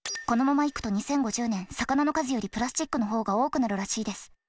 このままいくと２０５０年魚の数よりプラスチックの方が多くなるらしいです。